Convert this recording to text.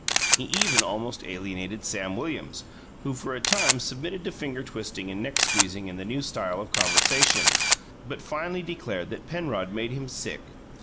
He even almost alienated Sam Williams, who for a time submitted to finger twisting and neck squeezing and the new style of conversation, but finally declared that Penrod made him "sick."